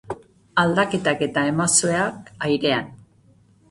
Aldaketak eta emozioak airean.